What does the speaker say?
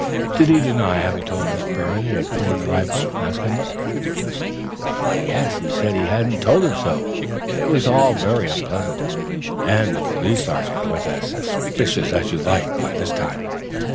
"Did he deny having told Miss Byrne he had cleaned the rifle?" asked Gimblet. "Yes; he said he hadn't told her so. It was all very unpleasant, and the police sergeant was as suspicious as you like, by this time.